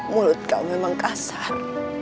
mulut kau memang kasar